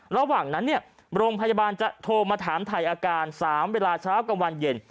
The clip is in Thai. ระหว่างนั้นเนี่ยโรงพยาบาลจะโทรมาถามถ่ายอาการ๓เวลาเช้ากลางวันเย็น